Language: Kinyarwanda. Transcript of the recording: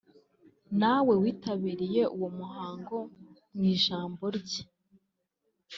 na we witabiriye uwo muhango mu ijambo rye